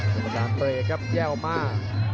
กำลังเปรย์กับแย่ออกมา